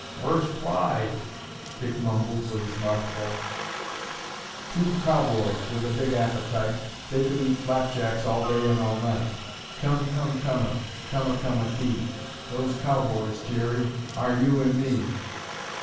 "Verse five!" Dick mumbled with his mouth full. "Two cowboys with a big appetite They could eat flapjacks all day and all night. Come, come, coma, Coma, coma, kee. Those cowboys, Jerry, Are You and me."